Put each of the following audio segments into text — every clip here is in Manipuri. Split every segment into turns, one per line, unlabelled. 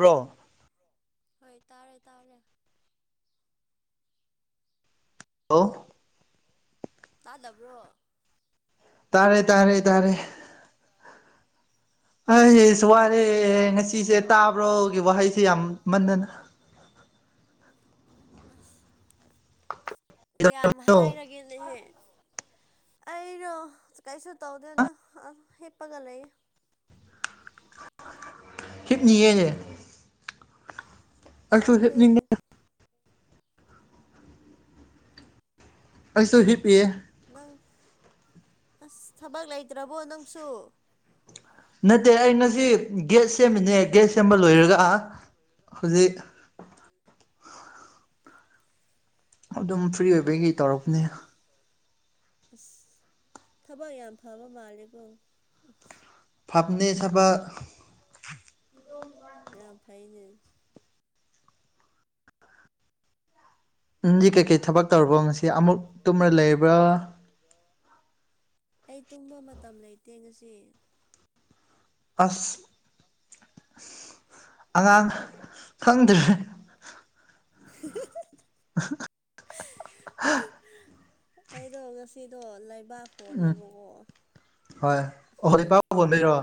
ꯔꯣ
ꯍꯣꯏ ꯇꯥꯔꯦ ꯇꯥꯔꯦ
ꯍꯂꯣ
ꯇꯥꯗꯕ꯭ꯔꯣ
ꯇꯥꯔꯦ ꯇꯥꯔꯦ ꯇꯥꯔꯦ ꯑꯩꯁꯨ ꯋꯥꯔꯦ
ꯀꯩꯗꯧꯔꯤꯅꯣ
ꯉꯁꯤꯁꯦ ꯇꯥꯕ꯭ꯔꯣꯒꯤ ꯋꯥꯍꯩꯁꯦ ꯌꯥꯝ ꯃꯟꯗꯅ
ꯑ ꯀꯌꯥꯝ
ꯀꯩꯗꯧꯔꯝꯃꯤꯅꯣ
ꯍꯥꯏꯔꯒꯦꯅꯦꯍꯦ ꯑꯩꯩꯅꯣ ꯀꯩꯁꯨ ꯇꯧꯗꯦꯅ ꯑ ꯍꯤꯞꯄꯒ ꯂꯩꯌꯦ
ꯍꯤꯞ ꯌꯦꯉ ꯑꯁꯨ
ꯅꯪꯗꯤ
ꯑꯩꯁꯨ ꯍꯤ ꯄꯤ
ꯅꯪ ꯑꯁ ꯊꯕꯛ ꯂꯩꯇ꯭ꯔꯕꯣ ꯅꯪꯁꯨ
ꯅꯠꯇꯦ ꯑꯩ ꯉꯁꯤ ꯒꯦꯠ ꯁꯦꯝꯃꯤꯅꯦ ꯒꯦꯠ ꯁꯦꯝꯕ ꯂꯣꯏꯔꯒ ꯍꯧꯖꯤꯛ ꯑꯗꯨꯝ ꯐ꯭ꯔꯤ ꯑꯣꯏꯕꯩ
ꯎꯝ
ꯀꯩ ꯇꯧꯔꯛꯄꯅꯦ
ꯑꯁ ꯊꯕꯛ ꯌꯥꯝ ꯐꯕ ꯃꯥꯜꯂꯦꯀꯣ ꯑꯁ
ꯍꯥꯞꯅꯦ ꯁꯥꯕ
ꯑ ꯐꯥꯏꯩꯅꯁ
ꯅꯪꯗꯤ ꯀꯩꯀꯩ ꯊꯕꯛ ꯇꯧꯔꯕꯣ ꯉꯁꯤ ꯑꯃꯨꯛ ꯇꯨꯝ꯭ꯔ ꯂꯩꯕ꯭ꯔꯥ
ꯑꯩ ꯇꯨꯝꯕ ꯃꯇꯝ ꯂꯩꯇꯦ ꯉꯁꯤ
ꯑꯁ ꯑꯉꯥꯡ ꯈꯪꯗ꯭ꯔꯦ
[unintelligible]
[unintelligible]
ꯑꯩꯗꯣ ꯉꯁꯤꯗꯣ ꯂꯩꯕꯥꯛ
ꯎꯝ
ꯍꯣꯜꯂꯦꯕꯀꯣ
ꯍꯣꯏ
ꯑꯩꯈꯣꯏ
ꯍꯧꯖꯤꯛ ꯏ
ꯌꯨꯝ
ꯄꯥꯎꯕꯣꯟꯕꯤꯔꯣ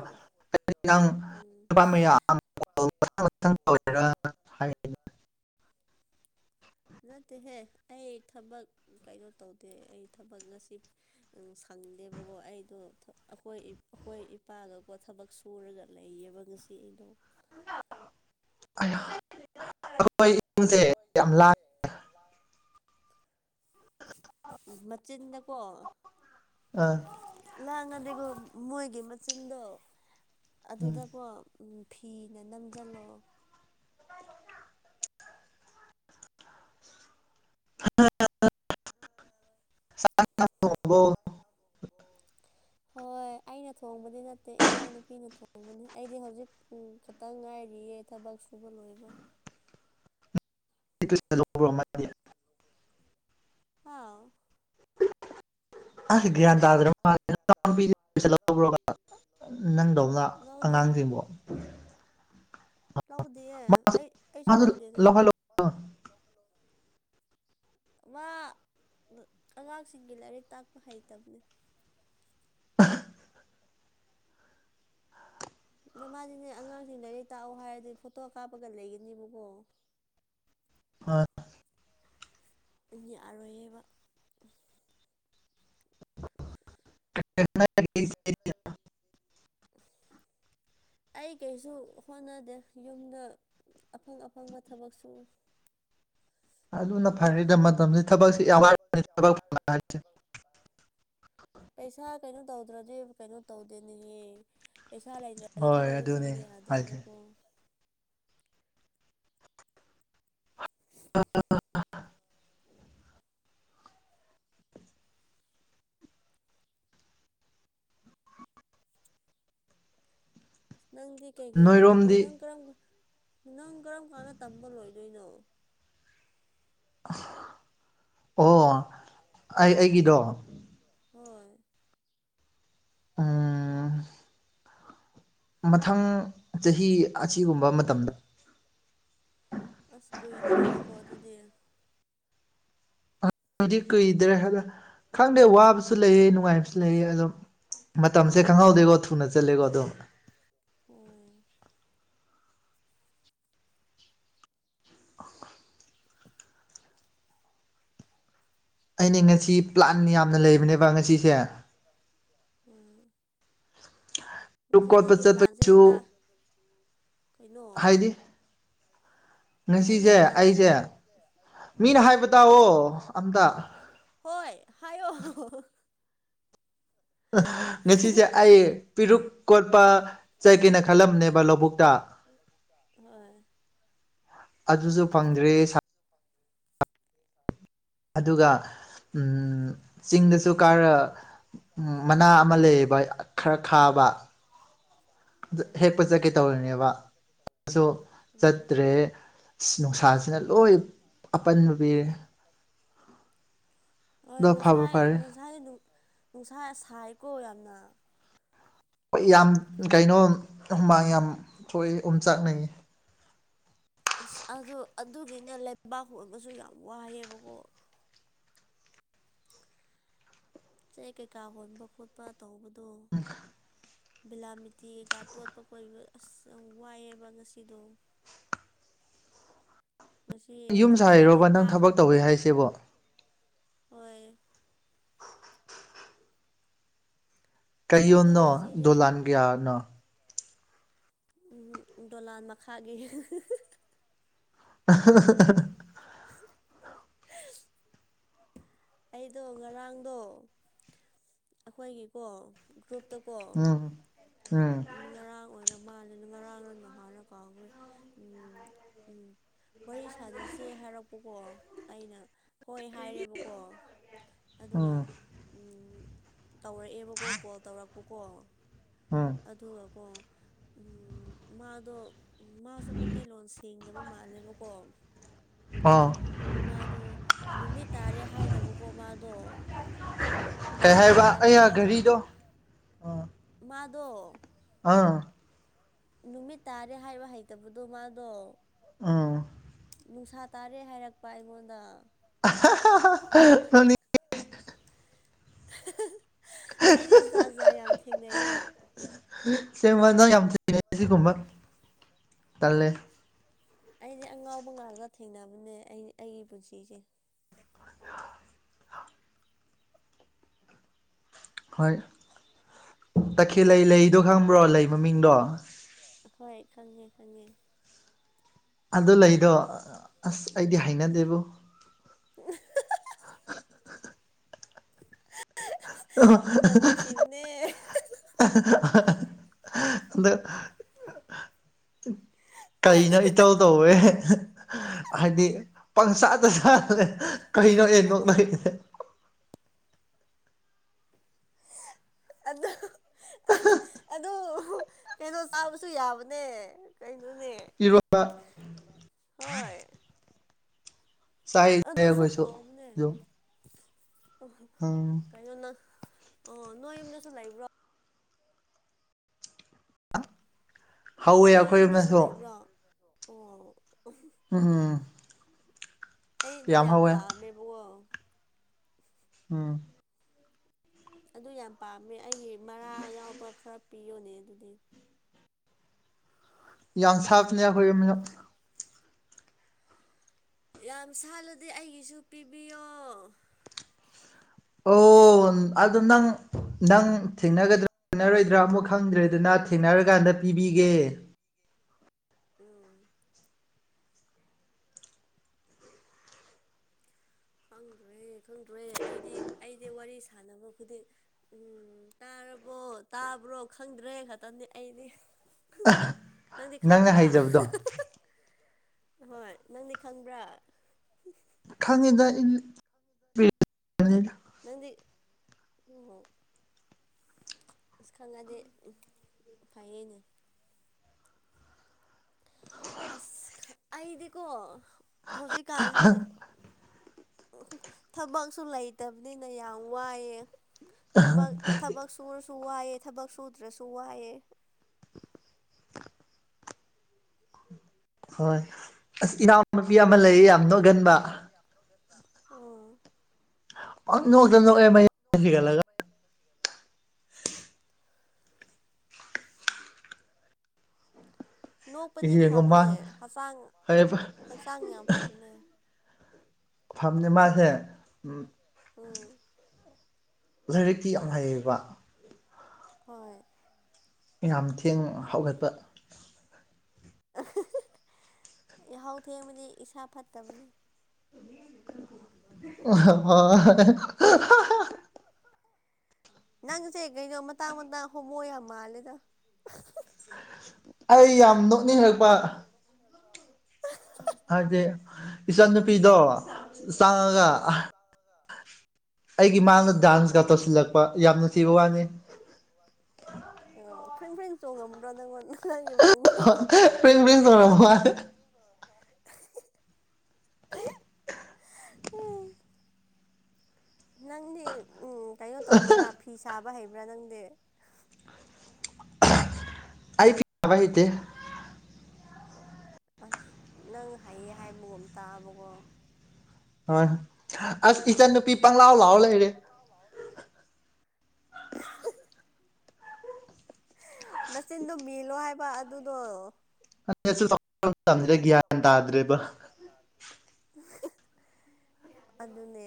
ꯅꯪ
ꯎꯝ
ꯊꯊ ꯇꯧꯔ ꯍꯥꯏ
ꯅꯠꯇꯦꯍꯦ ꯑꯩ ꯊꯕꯛ ꯀꯩꯅꯣ ꯇꯧꯗꯦ ꯑꯩ ꯊꯕꯛ ꯉꯁꯤ ꯐꯪꯗꯦꯕꯀꯣ ꯑꯩꯗꯣ ꯑꯩꯈꯣꯏ ꯑꯩꯈꯣꯏ ꯏꯄꯥꯒꯀꯣ ꯊꯕꯛ ꯁꯨꯔꯒ ꯂꯩꯌꯦꯕ ꯉꯁꯤ ꯩꯅ
[unintelligible] ꯑꯩꯈꯣꯏ ꯏꯃꯨꯡꯁꯦ ꯌꯥꯝ ꯂꯥꯏ
ꯃꯆꯤꯟꯗꯀꯣ
ꯑꯥ
ꯂꯥꯡꯉꯗꯤꯀꯣ ꯃꯣꯏꯒꯤ ꯃꯆꯤꯟꯗꯣ
ꯎꯝ
ꯑꯗꯨꯗꯀꯣ ꯐꯤꯅ ꯅꯝꯁꯤꯜꯂꯣ
ꯕꯣ
ꯍꯣꯏ
[unintelligible]
ꯑꯩꯅ ꯊꯣꯡꯕꯗꯤ ꯅꯠꯇꯦ ꯏꯅꯥꯎꯅꯨꯄꯤꯅ ꯊꯣꯡꯕꯅꯦ ꯑꯩꯗꯤ ꯍꯧꯖꯤꯛ ꯈꯛꯇꯪ ꯉꯥꯏꯔꯤꯌꯦ ꯊꯕꯛꯁꯨꯨ ꯣꯏꯕ ꯂꯣꯏꯕ
ꯂꯧꯕ ꯑꯃꯅꯤ
ꯑꯥꯎ
ꯑꯁ ꯒ꯭ꯌꯥꯟ ꯇꯥꯗ꯭ꯔ ꯃꯥꯜ ꯅꯪꯗꯧꯅ
ꯂꯧꯗꯦ
ꯑꯉꯥꯡꯁꯤꯡꯕꯨꯣ
ꯂꯧꯗꯦꯌꯦ ꯑꯩ ꯑꯩꯁꯨ
ꯃꯥꯁꯨ
ꯂꯧꯗꯦꯅꯦꯦ
ꯂꯧꯍꯜꯂꯣ [unintelligible]
ꯋꯥ ꯑꯉꯥꯡꯁꯤꯡꯒꯤ ꯂꯥꯏꯔꯤꯛ ꯇꯥꯛꯄ ꯍꯩꯇꯕꯅꯤ ꯅ ꯃꯥꯗꯤꯅꯦ ꯑꯉꯥꯡꯁꯤꯡ ꯂꯥꯏꯔꯤꯛ ꯇꯥꯛꯑꯣ ꯍꯥꯏꯔꯗꯤ ꯐꯣꯇꯣ ꯀꯥꯞꯄꯒ ꯂꯩꯒꯅꯦꯕꯀꯣ
ꯑ
ꯑꯔꯣꯏꯌꯦꯕ
[unintelligible]
ꯑꯩ ꯀꯩꯁꯨ ꯍꯣꯠꯅꯗꯦ ꯌꯨꯝꯗ ꯑꯐꯪ ꯑꯐꯪꯕ ꯊꯕꯛ ꯁ
ꯑꯗꯨꯅ ꯐꯔꯗ ꯃꯇꯝꯁꯤ ꯊꯕꯛꯁꯤ ꯌꯥꯝꯠꯄꯅꯤ ꯍꯥꯏꯁꯦ [unintelligible]
ꯄꯩꯁꯥ ꯀꯩꯅꯣ ꯇꯧꯗ꯭ꯔꯗꯤ ꯀꯩꯅꯣ ꯇꯧꯗꯦꯅꯤꯌꯦ ꯄꯩꯁꯥ ꯂꯩꯇ꯭ꯔꯒꯗꯤ
ꯍꯣꯏ
ꯊꯕꯛꯁꯨ
ꯑꯗꯨꯅꯦ
ꯆꯪꯕ
ꯍꯥꯏꯁꯦ
ꯌꯥꯗ꯭ꯔꯦꯕꯀꯣ
ꯑ
ꯅꯪꯗꯤ ꯀꯩꯀꯩ ꯇꯧꯔꯤꯒꯦ
ꯅꯣꯏꯔꯣꯝꯗꯤ
ꯅꯪ ꯀꯔꯝ ꯅꯪ ꯀꯔꯝ ꯀꯥꯟꯗ ꯇꯝꯕ ꯂꯣꯏꯗꯣꯏꯅꯣ
ꯑꯣ ꯑꯩ ꯑꯩꯒꯤꯗꯣ
ꯍꯣꯏ
ꯑꯝ ꯃꯊꯪ ꯆꯍꯤ ꯑꯁꯤꯒꯨꯝꯕ ꯃꯇꯝꯗ
ꯑꯁ ꯀꯨꯏꯗ꯭ꯔꯦꯅꯦꯀꯣ ꯑꯗꯨꯗꯤ꯫
ꯗꯤ ꯀꯨꯏꯗ꯭ꯔꯦ ꯍꯥꯏꯗ ꯈꯪꯗꯦ ꯋꯥꯕꯁꯨ ꯂꯩꯌꯦ ꯅꯨꯡꯉꯥꯏꯕꯁꯨ ꯂꯩꯑ ꯑꯗꯨꯝ꯫ ꯇꯝꯁꯦ ꯈꯪꯍꯧꯗꯦꯀꯣ ꯊꯨꯅ ꯆꯠꯂꯦꯀꯣ ꯑꯗꯨꯝ꯫
ꯍꯣꯏ
ꯑꯩꯅꯦ ꯉꯁꯤ ꯄ꯭ꯂꯥꯟ ꯌꯥꯝꯅ ꯂꯩꯕꯅꯦꯕ ꯉꯁꯤꯁꯦ꯫
ꯎꯝ꯫
ꯂꯨꯞ
ꯉꯁꯤ
ꯀꯣꯠꯄ
ꯅꯪꯒꯤ ꯄ꯭ꯂꯥꯟꯁꯦ
ꯆꯠꯄꯒꯤꯁꯨ
ꯇꯥ ꯀꯩꯅꯣ꯫
ꯍꯥꯏꯗꯤ
ꯅꯪꯒꯤ
ꯉꯁꯤꯁꯦ
ꯄ꯭ꯂꯥꯟꯁꯦ
ꯑꯩꯁꯦ
ꯎꯝ
ꯃꯤꯅ
ꯎꯝ
ꯍꯥꯏꯕ ꯇꯥꯑꫭ ꯑꯝꯇ꯫
ꯍꯣꯏ ꯍꯥꯏꯌꯣ
ꯉꯁꯤꯁꯦ ꯑꯩ ꯄꯤꯔꯨꯛ ꯀꯣꯠꯄ ꯆꯥꯠꯀꯦꯅ ꯈꯜꯂꯝꯅꯦꯕ ꯂꯧꯕꯨꯛꯇꯥ꯫
ꯍꯣꯏ
ꯑꯗꯨꯁꯨ ꯐꯪꯗ꯭ꯔꯤ ꯁꯥ ꯑꯗꯨꯒ ꯎꯝ ꯆꯤꯡꯗꯁꯨ ꯀꯥꯔ ꯎꯝ ꯃꯅꯥ ꯑꯃ ꯂꯩꯌꯦꯕ ꯈꯔ ꯈꯥꯕ
ꯎꯝ
ꯍꯦꯛꯄ ꯆꯠꯀꯦ ꯇꯧꯔꯤꯅꯦꯕ ꯑꯗꯨ
ꯎꯝ
ꯆꯠꯇ꯭ꯔꯦ꯫ ꯅꯨꯡꯁꯥꯁꯤꯅ ꯂꯣꯏ ꯑꯄꯟꯕ ꯄꯤꯔꯦ꯫
ꯍꯣꯏ
ꯑꯗꯣ ꯐꯕꯨ
ꯉꯁꯥꯏ
ꯐꯔꯦ
ꯉꯁꯥꯏ ꯅꯨꯡꯁꯥ ꯁꯥꯏꯀꯣ ꯌꯥꯝꯅ꯫
ꯍꯣꯏ ꯌꯥꯝ ꯀꯩꯅꯣ ꯍꯨꯃꯥꯡ ꯌꯥꯝ ꯊꯣꯛꯏꯦ ꯎꯝ ꯆꯥꯛꯅꯩꯌꯦ꯫
ꯑꯁ ꯑꯗꯨ ꯑꯗꯨꯒꯤꯅꯦ ꯂꯩꯕꯥꯛ ꯑꯣꯏꯕꯁꯨ ꯌꯥꯝ ꯋꯥꯏꯑꯦꯕꯀꯣ꯫ ꯆꯦꯛ ꯀꯩꯀꯥ ꯍꯣꯟꯕ ꯈꯣꯠꯄ ꯇꯧꯕꯗꯣ ꯕꯤꯂꯥꯃꯤꯠ ꯊꯤꯒ ꯇꯣꯠꯄ ꯀꯣꯏꯕ ꯑꯁ ꯋꯥꯏꯑꯦꯕ ꯉꯁꯤꯗꯣ꯫ ꯉꯁꯤ
ꯅꯪ ꯌꯨꯝ
ꯑꯩꯗꯤ
ꯁꯥꯥꯔꯤꯔꯣꯕ ꯅꯪ
ꯇꯥ
ꯊꯕꯛ ꯇꯧꯋꯤ ꯍꯥꯏꯁꯤꯕꯣ꯫
ꯍꯣꯏ꯫ ꯑꯩꯗꯣ
ꯀꯩꯌꯣꯅꯣ
ꯉꯁꯤꯁꯦ
ꯗꯣꯂꯥꯟ ꯀꯌꯥꯅꯣ꯫
ꯎꯝ ꯗꯣꯂꯥꯟ ꯃꯈꯥꯒꯤ
ꯑꯍꯍꯍ
ꯑꯩꯗꯣ ꯉꯔꯥꯡꯗꯣ ꯑꯩꯈꯣꯏꯒꯤꯀꯣ ꯒ꯭ꯔꯨꯞ ꯇꯀꯣ
ꯎꯝ ꯎꯝ
ꯉꯔꯥꯡ ꯑꯣꯏꯔꯞ ꯃꯥꯜꯂꯤꯅ ꯉꯔꯥꯡ ꯅꯍꯥꯟꯔ ꯀꯥꯎꯈ꯭ꯔꯦ ꯎꯝ ꯎꯝ꯫ ꯋꯥꯔꯤ ꯁꯥꯟꯅꯁꯦ ꯍꯥꯏꯔꯛꯄꯀꯣ ꯑꯩꯅ ꯍꯣꯏ ꯍꯥꯏꯔꯦꯕꯀꯣ ꯑꯗꯨꯒ
ꯎꯝ
ꯇꯧꯔꯛꯑꯦꯕꯀꯣ ꯀꯣꯜ ꯇꯧꯔꯛꯄꯀꯣ
ꯍꯝ꯫
ꯑꯗꯨꯒꯀꯣ ꯎꯝ ꯃꯥꯗꯣ ꯃꯥꯁꯨ ꯃꯩꯇꯩꯂꯣꯟ ꯁꯦꯡꯗꯅꯕ ꯃꯥꯜꯂꯦꯕꯀꯣ꯫
ꯑꯥ
ꯃꯥꯗꯣ ꯅꯨꯃꯤꯠ ꯇꯥꯔꯦ ꯍꯥꯏꯗꯕꯀꯣ ꯃꯥꯗꯣ
ꯀꯩ
ꯅꯨꯡꯁꯥ
ꯍꯥꯏꯕ
ꯇꯥꯔꯦ
ꯑꯌ
ꯍꯥꯏꯕ
ꯘꯔꯤꯗꯣ ꯑ꯫
ꯃꯥꯗꯣ
ꯑꯥ꯫
ꯅꯨꯃꯤꯠ ꯇꯥꯔꯦ ꯍꯥꯏꯕ ꯍꯩꯇꯕꯗꯣ ꯃꯥꯗꯣ
ꯑꯥ꯫
ꯅꯨꯡꯁꯥ ꯇꯥꯔꯦ ꯍꯥꯏꯔꯛꯄ ꯑꯩꯉꯣꯟꯗ꯫
ꯑꯍꯍꯍ ꯅꯅꯤ
ꯑꯩꯗꯤ ꯖꯥ ꯖꯥ ꯌꯥꯝ ꯊꯦꯡꯅꯩꯌꯦ꯫
ꯁꯦꯡꯕꯅ ꯌꯥꯝ ꯊꯦꯡꯅꯩ ꯁꯤꯒꯨꯝꯕ ꯇꯜꯂꯦ꯫
ꯑꯩꯗꯤ ꯑꯉꯥꯎꯕ ꯉꯥꯛꯇ ꯊꯦꯡꯅꯕꯅꯦ ꯑꯩ ꯑꯩꯒꯤ ꯄꯨꯟꯁꯤꯁꯦ꯫
ꯍꯣꯏ ꯇꯈꯦꯜꯂꯩ ꯂꯩꯗꯣ ꯈꯪꯕ꯭ꯔꯣ ꯂꯩ ꯃꯃꯤꯡꯗꯣ꯫
ꯍꯣꯏ ꯈꯪꯉꯦ-ꯈꯪꯉꯦ꯫
ꯑꯗꯨ ꯂꯩꯗꯣ ꯑꯁ ꯑꯩꯗꯤ
ꯎꯝ
ꯍꯥꯏꯅꯗꯦꯕꯣ
ꯃꯤꯅꯝ ꯅꯨꯡꯁꯤꯕꯅꯦ
ꯑꯗ ꯀꯩꯅꯣ ꯏꯇꯧ ꯇꯧꯋꯦ ꯍꯥꯏꯗꯤ ꯄꯪꯁꯥꯗ ꯆꯂꯦ ꯀꯩꯅꯣꯩꯅꯣꯗ
ꯑꯗ ꯑꯗꯨ ꯀꯩꯅꯣ ꯆꯥꯕꯁꯨ ꯌꯥꯕꯅꯦ ꯀ
ꯏꯔꯣꯕ
ꯍꯣꯏ
ꯆꯥꯏ ꯆ
ꯑꯗꯨꯁꯨ
ꯀꯣꯏꯁꯨꯣ ꯑꯗꯨ
ꯎ ꯀꯩꯅꯣ ꯅꯪ ꯑꯣ ꯅꯣꯏ ꯌꯨꯝꯗꯁꯨ ꯂꯩꯕ꯭ꯔꯣ
ꯍꯧꯋꯦ
ꯅꯣꯏ
ꯑꯩꯈꯣꯏ
ꯌꯨꯝꯗꯁꯨ
ꯑꯃꯁꯁꯨ
ꯂꯩꯕ꯭ꯔꯣ ꯑꯣ
ꯎꯝ
ꯑꯩꯗꯤ ꯌꯥꯝ ꯄꯥꯝꯃꯦꯕꯣ
ꯎꯝ
ꯑꯗꯨ ꯌꯥꯝ ꯄꯥꯝꯃꯦ ꯑꯩꯒꯤ ꯃꯔꯥ ꯌꯥꯎꯕ ꯈꯔ ꯄꯤꯌꯣꯅꯦ ꯑꯗꯨꯗꯤ
ꯌꯥꯝ ꯁꯥꯞꯅꯦ ꯑꯩꯈꯣꯏꯅ
ꯌꯥꯝ ꯁꯥꯠꯜꯂꯗꯤꯦ ꯑꯩꯒꯤꯁꯨ ꯄꯤꯕꯤꯌꯣ
ꯑꯣ ꯑꯗꯨ ꯅꯪ ꯅꯪ ꯊꯦꯡꯅꯒꯗ꯭ꯔ ꯁꯥꯟꯅꯔꯣꯏꯗ꯭ꯔꯥ ꯑꯃꯨꯛ ꯈꯪꯗ꯭ꯔꯦꯗꯨꯅ ꯊꯦꯡꯅꯔꯀꯥꯟꯗ ꯄꯤꯕꯤꯒꯦ
ꯎꯝ ꯈꯪꯗ꯭ꯔꯦ ꯈꯪꯗ꯭ꯔꯦ ꯑꯩꯗꯤ ꯑꯩꯗꯤ ꯋꯥꯔꯤ ꯁꯥꯟꯅꯕ ꯈꯨꯗꯤꯡ ꯎꯝ ꯍꯥꯏꯔꯕꯣ ꯇꯥꯕ꯭ꯔꯣ ꯈꯪꯗ꯭ꯔꯦ ꯈꯛꯇꯪꯗꯤ ꯑꯩꯅꯦ ꯅꯪꯗꯤ
ꯅꯪꯅ
ꯈꯪꯕ꯭ꯔꯥ
ꯍꯩꯖꯕꯗꯣ
ꯍꯣꯏ ꯅꯪꯗꯤ ꯈꯪꯕ꯭ꯔꯥ
ꯈꯪꯉꯗ ꯏ
ꯅꯪꯗꯤ ꯑꯣ ꯑꯁ ꯈꯪꯉꯗꯤ ꯐꯩꯅꯦ ꯑꯁ ꯑꯩꯗꯤꯀꯣ ꯍꯧꯖꯤꯛꯀꯥꯟꯁꯦ ꯊꯕꯛꯁꯨ ꯂꯩꯇꯕꯅꯤꯅ ꯌꯥꯝ ꯋꯥꯏꯑꯦ ꯊꯕꯛ ꯊꯕꯛ ꯁꯨꯔꯁꯨ ꯋꯥꯏꯑꯦ ꯊꯕꯛ ꯁꯨꯗ꯭ꯔꯁꯨ ꯋꯥꯏꯑꯦ
[inaudible] ꯍꯣꯏ ꯑꯁ ꯏꯅꯥꯎꯅꯨꯄꯤ ꯑꯃ ꯂꯩ ꯌꯥꯝ ꯅꯣꯛꯒꯟꯕ
ꯑꯣ
ꯑꯣꯛꯗꯦꯂꯒ
ꯅꯣꯛꯄꯗꯤ
ꯌꯦꯡꯉꯣ ꯃꯥ
ꯐꯕꯅꯦ ꯍꯛꯆꯥꯡ
ꯍꯣꯏ
ꯍꯛꯆꯥꯡ ꯌꯥꯝ ꯐꯕꯅꯦ
ꯐꯝꯅꯦ ꯃꯥꯁꯦ ꯎ
ꯎꯝ
ꯂꯥꯏꯔꯤꯛꯇꯤ ꯌꯥꯝ ꯍꯩꯌꯦꯕ
ꯍꯣꯏ
ꯌꯥꯝ ꯊꯦꯡꯅ ꯍꯧꯒꯠꯄ
ꯌꯥꯍꯥꯎ ꯊꯦꯡꯕꯅꯤ ꯏꯁꯥ ꯐꯠꯇꯕꯅꯤ
ꯍ
ꯅꯪꯁꯦ ꯀꯩꯅꯣ ꯃꯇꯥꯡ ꯃꯇꯥꯡ ꯍꯣꯃꯨ ꯌꯥꯝ ꯃꯥꯜꯂꯦꯗ
ꯑꯩ ꯌꯥꯝ ꯅꯣꯛꯅꯤꯡꯉꯔꯛꯄ ꯍꯥꯏꯗꯤ ꯏꯆꯟ ꯅꯨꯨꯄꯤꯗꯣ ꯆꯥꯡꯉꯒ
ꯑꯥ
ꯑꯩꯒꯤ ꯃꯥꯡꯗ ꯗꯥꯟꯁꯒ ꯇꯧꯁꯤꯜꯂꯛꯄ ꯌꯥꯝꯅꯅꯨꯡ ꯊꯤꯕ ꯋꯥꯅꯤ
ꯑꯣ ꯐ꯭ꯔꯤꯡ ꯐ꯭ꯔꯤꯡ ꯆꯣꯡꯉꯕ꯭ꯔꯣ ꯅꯉꯣꯟꯗ
ꯄꯝ ꯄ ꯇꯔ [inaudible]
ꯅꯪꯗꯤ ꯎꯝ ꯀꯩꯅꯣ ꯇꯧꯕ꯭ꯔꯥ ꯐꯤ ꯁꯥꯕ ꯍꯩꯕ꯭ꯔꯥ ꯅꯪꯗꯤ
ꯑꯩ ꯄꯤ ꯑꯦ ꯃꯍꯍꯤꯩꯗ
ꯑꯁ ꯅꯪ ꯍꯥꯏꯌꯦ ꯍꯥꯏꯕꯒꯨꯝꯝ ꯇꯥꯛꯑꯕꯀꯣ
ꯍꯣꯏ ꯑ ꯏꯆꯟꯅꯨꯄꯤ ꯄꯪꯂꯥꯎ ꯂꯥꯎ ꯂꯩꯔꯦ
ꯃꯆꯤꯟꯗꯣ ꯃꯤꯂꯣ ꯍꯥꯏꯕ ꯑꯗꯨꯗꯣ
ꯑꯔ ꯒꯌꯥ ꯇꯥꯗ꯭ꯔꯦꯕ
ꯑꯗꯨꯅꯦ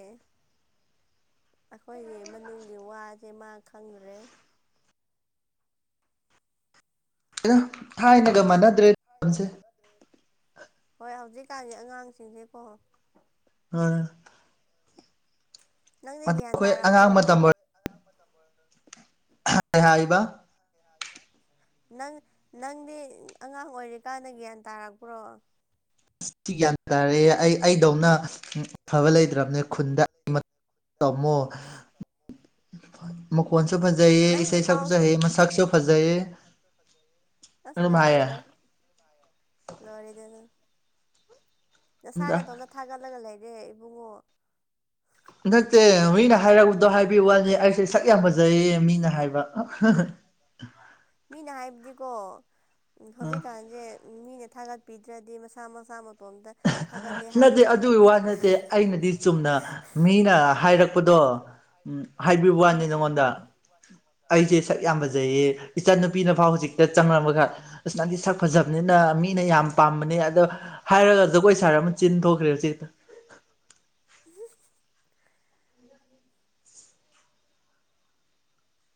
ꯑꯩꯈꯣꯏꯒꯤ ꯃꯅꯨꯡꯒꯤ ꯋꯥꯁꯦ ꯃꯥ ꯈꯪꯗ꯭ꯔꯦ
ꯑꯩꯅ ꯊꯥꯏꯅꯒ ꯃꯥꯟꯅꯗ꯭ꯔꯦꯁꯦ
ꯆꯇꯥꯥꯒꯤ ꯑꯉꯥꯡꯁꯤꯡꯁꯦꯀꯣ
ꯇꯔ
ꯅꯪꯗꯤ ꯒ꯭ꯌꯥꯟ
ꯑꯉꯥꯡ
ꯇꯥꯔꯛꯄ꯭ꯔꯣ
ꯍꯥꯏ ꯏꯕ
ꯅꯪ ꯅꯪꯗꯤ ꯑꯉꯥꯡ ꯑꯣꯏꯔꯤꯀꯥꯟꯗ ꯒ꯭ꯌꯥꯟ ꯇꯥꯔꯛꯄ꯭ꯔꯣ
ꯑꯁ ꯁꯤ ꯒ꯭ꯌꯥꯟ ꯇꯥꯔꯛꯑꯦ ꯑꯩ ꯑꯩꯗꯧꯅ ꯑꯐꯕ ꯂꯩꯇ꯭ꯔꯕꯅꯦ ꯈꯨꯟꯗ ꯑꯩ
ꯑꯁ
ꯃ ꯀꯣꯟꯁꯨ ꯐꯖꯩ ꯏꯁꯥ
ꯅꯪꯒꯤ ꯄꯥꯎꯁꯨ
ꯏꯁꯥꯕꯨꯖꯩ ꯃꯩꯁꯥꯁꯨꯁꯨ ꯐꯖꯩ
ꯑꯁ ꯂꯣꯔꯦ ꯂꯔꯦ ꯂꯔꯗ ꯅꯁꯥꯏꯅꯗꯣꯝꯅ ꯊꯥꯒꯠꯂꯒ ꯂꯩꯔꯦ ꯏꯕꯨꯡꯉꯣ
ꯅ ꯍꯧꯣꯏꯅ ꯍꯥꯏꯔꯛꯗꯣ ꯍꯥꯏꯕꯤ ꯋꯥꯅꯤ ꯑꯩꯁꯦ ꯁꯛ ꯌꯥꯝ ꯐꯖꯩꯌꯦ ꯃꯤꯅ ꯍꯥꯏꯕ
ꯃꯤꯅ ꯍꯥꯏꯕꯗꯤꯀꯣ
ꯎꯝ
ꯍꯧꯖꯤꯛꯀꯥꯟꯁꯦ ꯃꯤꯅ ꯊꯥꯒꯠꯄꯤꯗ꯭ꯔꯗꯤ ꯃꯁꯥ ꯃꯁꯥ ꯃ
ꯅꯠꯇꯦ ꯑꯗꯨꯒꯤ ꯋꯥ ꯅꯠꯇꯦ ꯑꯩꯅꯗꯤ ꯆꯨꯝꯅ ꯃꯤꯅ ꯍꯥꯏꯔꯛꯄ ꯆꯄꯗꯣ ꯎꯝ ꯍꯥꯏꯕꯤꯕ ꯋꯥꯅꯤ
ꯎꯝ
ꯅꯪꯉꯣꯟꯗ ꯑꯩꯁꯦ ꯁꯛ ꯌꯥꯝ ꯐꯖꯩꯌꯦ ꯏꯆꯟꯅꯨꯄꯤꯅ ꯐꯥꯎ ꯍꯧꯖꯤꯛꯇ ꯆꯪꯉꯝꯃꯒ ꯑꯁ ꯅꯗꯤ ꯁꯛ ꯐꯖꯕꯅꯤꯅ ꯃꯤꯅ ꯌꯥꯝ ꯄꯥꯝꯕꯅꯦ ꯑꯗꯣ ꯍꯥꯏꯔꯒ ꯖꯒꯣꯏ ꯁꯥꯔ ꯑꯃ ꯆꯤꯟ ꯊꯣꯛꯈ꯭ꯔꯦ ꯍꯧꯖꯤꯛꯇ
[inaudible]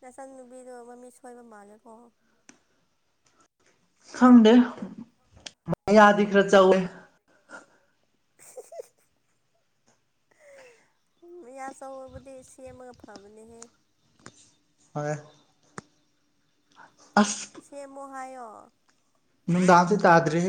ꯅꯁꯪ ꯅꯨꯄꯤꯗꯣ ꯃꯃꯤ ꯁꯣꯏꯕ ꯃꯥꯜꯂꯦꯀꯣ
ꯈꯪꯗꯦ ꯌꯥꯗꯤ ꯈꯔ ꯆꯥꯎꯧꯋꯦ [unintelligible]
ꯎ ꯑꯆꯧꯕꯕꯨꯗꯤ ꯁꯦꯝꯃꯒ ꯐꯕꯅꯦꯍꯦ
ꯍꯣꯏ
ꯁꯦꯝꯃꯣꯍꯥꯏꯣ
ꯅꯨꯡꯗꯥꯡꯗꯤ ꯇꯥꯗ꯭ꯔꯦ